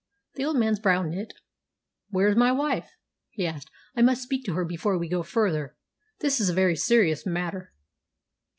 The old man's brow knit. "Where is my wife?" he asked. "I must speak to her before we go further. This is a very serious matter."